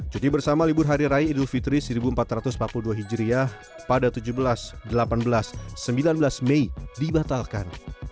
cuti bersama libur hari raya idul fitri seribu empat ratus empat puluh dua hijriah pada tujuh belas delapan belas sembilan belas mei dibatalkan